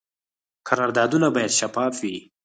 قراردادونه باید شفاف وي